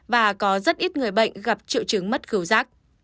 và có rất ít người bệnh gặp triệu trứng mất khứu rác